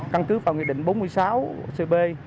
căn cứ vào nghị định bốn mươi sáu cb